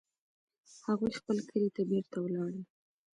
هغوی خپل کلي ته بیرته ولاړل